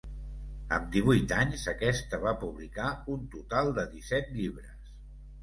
Amb divuit anys, aquesta va publicar un total de disset llibres.